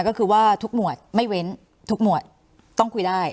ก็คือว่าทุกหมวดไม่เว้นทุกหมวดต้องคุยได้